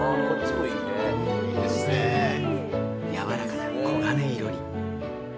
やわらかな黄金色に。